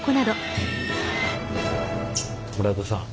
村田さん。